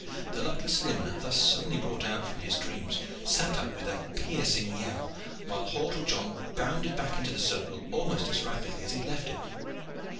The luckless limner, thus suddenly brought out from his dreams, sat up with a piercing yell, while Hordle John bounded back into the circle almost as rapidly as he had left it.